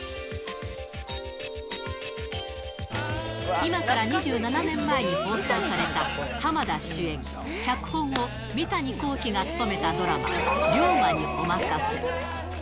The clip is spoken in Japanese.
今から２７年前に放送された、浜田主演、脚本を三谷幸喜が務めたドラマ、竜馬におまかせ！